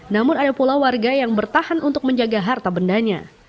namun ada pula warga yang bertahan untuk menjaga harta bendanya